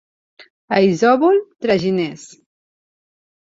A Isòvol, traginers.